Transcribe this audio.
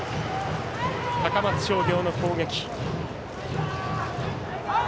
高松商業の攻撃。